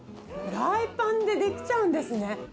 フライパンで出来ちゃうんですね。